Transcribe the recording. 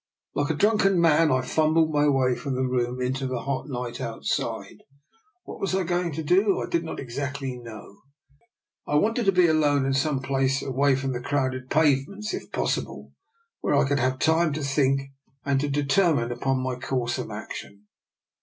Like a drunken man I fumbled my way from the room into the hot night outside. What I was going to do I did not exactly know. I wanted to be alone, in some place away from the crowded pave ments, if possible, where I could have time to think and to determine upon my course of action.